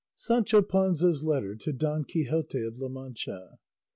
SANCHO PANZA'S LETTER TO DON QUIXOTE OF LA MANCHA.